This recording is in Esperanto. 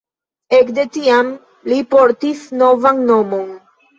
Ekde tiam li portis novan nomon.